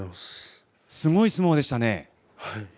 すごい相撲でしたね。